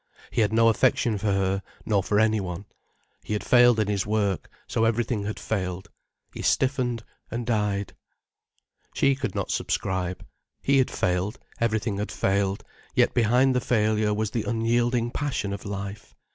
He had no affection for her, nor for anyone. He had failed in his work, so everything had failed. He stiffened, and died. She could not subscribe. He had failed, everything had failed, yet behind the failure was the unyielding passion of life.